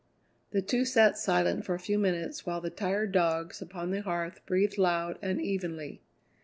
The two sat silent for a few minutes while the tired dogs upon the hearth breathed loud and evenly.